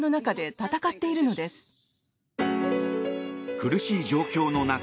苦しい状況下の中